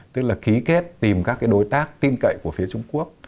tức là ký kết tìm các đối tác tin cậy của phía trung quốc